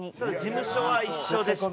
事務所は一緒でして。